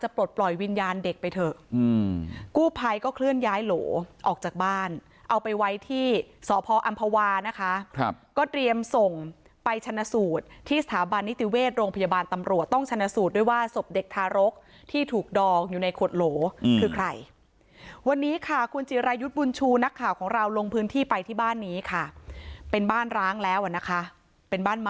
ปลดปล่อยวิญญาณเด็กไปเถอะกู้ภัยก็เคลื่อนย้ายโหลออกจากบ้านเอาไปไว้ที่สพอำภาวานะคะครับก็เตรียมส่งไปชนะสูตรที่สถาบันนิติเวชโรงพยาบาลตำรวจต้องชนะสูตรด้วยว่าศพเด็กทารกที่ถูกดองอยู่ในขวดโหลคือใครวันนี้ค่ะคุณจิรายุทธ์บุญชูนักข่าวของเราลงพื้นที่ไปที่บ้านนี้ค่ะเป็นบ้านร้างแล้วอ่ะนะคะเป็นบ้านม